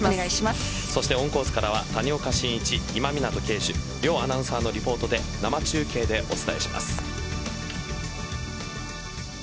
オンコースからは谷岡慎一今湊敬樹両アナウンサーのリポートで生中継でお伝えします。